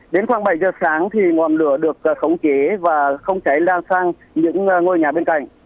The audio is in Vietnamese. đến khoảng bảy giờ sáng thì ngọn lửa được khống chế và không cháy lan sang những ngôi nhà bên cạnh